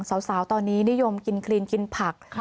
สาวตอนนี้นิยมกินคลีนกินผัก